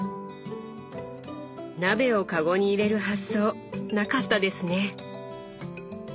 鍋をかごに入れる発想なかったですね！